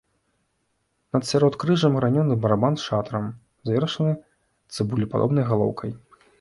Над сяродкрыжжам гранёны барабан з шатром, завершаны цыбулепадобнай галоўкай.